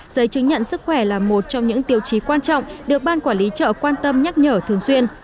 giấy chứng nhận sức khỏe là một trong những tiêu chí quan trọng được ban quản lý chợ quan tâm nhắc nhở thường xuyên